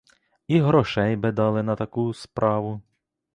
І грошей би дали на таку справу.